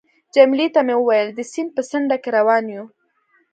جميله ته مې وویل: د سیند په څنډه کې روان یو.